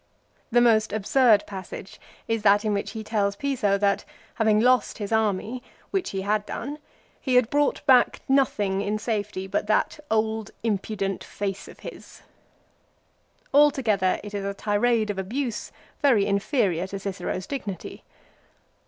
The most absurd passage is that in which he tells Piso that, having lost his army, which he had done, he had brought back nothing in safety but that " old impudent face of his." 1 Altogether it is a tirade of abuse very inferior to Cicero's dignity.